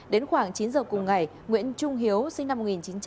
đến khoảng chín giờ cùng ngày nguyễn trung hiếu sinh năm một nghìn chín trăm chín mươi bảy